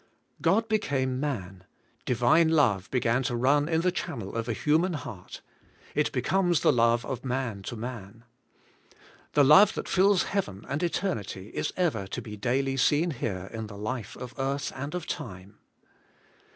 God became man; Divine love began to run in the channel of a human heart; it be comes the love of man to man. The love that fills heaven and eternity is ever to be daily seen here in the life of earth and of time.